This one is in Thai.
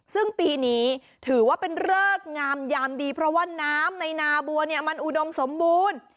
ซึ่งปีนี้ถือว่าเป็นเริกงามยามดีเพราะว่าน้ำในนาบัวเนี่ยมันอุดมสมบูรณ์